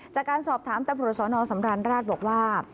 จากการสอบถามตำรวจสนสำราญราชบอกว่า